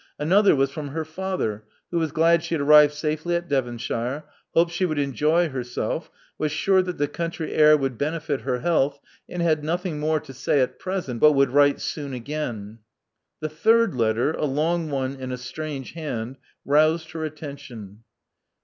Another was from her father, who was glad she had arrived safely at Devonshire ; hoped she would enjoy herself; was sure that the country air would benefit her health ; and had nothing more to say at present but would write soon again. The third letter, a long one in a strange hand, roused her attention.